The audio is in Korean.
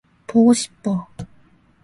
보고 싶어.